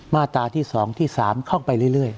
มาตราที่๒ที่๓เข้าไปเรื่อย